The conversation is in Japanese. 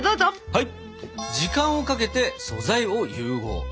はい。